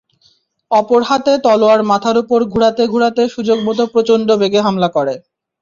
অপর হাতে তলোয়ার মাথার উপর ঘুরাতে ঘুরাতে সুযোগমত প্রচণ্ড বেগে হামলা করে।